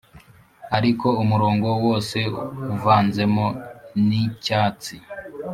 ariko umurongo wose uvanzemo nicyatsi,